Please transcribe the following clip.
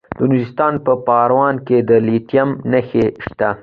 د نورستان په پارون کې د لیتیم نښې شته.